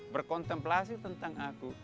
berkontemplasi tentang aku